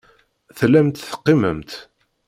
Tellamt teqqimemt.